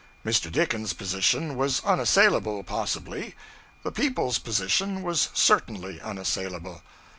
Mr. Dickens's position was unassailable, possibly; the people's position was certainly unassailable.